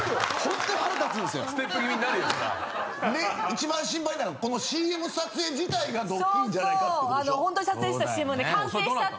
一番心配なのがこのＣＭ撮影自体がドッキリじゃないかってことでしょ。